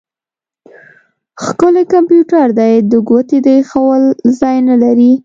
ښکلی کمپيوټر دی؛ د ګوتې د اېښول ځای نه لري.